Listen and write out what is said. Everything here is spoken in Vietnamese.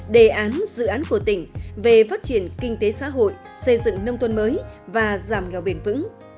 đề án dự án của tỉnh về phát triển kinh tế xã hội xây dựng nông thôn mới và giảm nghèo bền vững